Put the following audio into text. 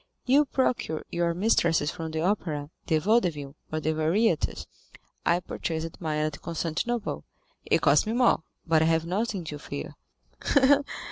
You procure your mistresses from the opera, the Vaudeville, or the Variétés; I purchased mine at Constantinople; it cost me more, but I have nothing to fear."